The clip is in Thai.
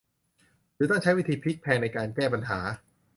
หรือต้องใช้วิธีพลิกแพลงในการแก้ปัญหา